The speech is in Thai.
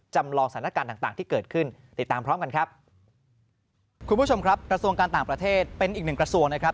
จำลองสถานการณ์ต่างที่เกิดขึ้นติดตามพร้อมกันครับ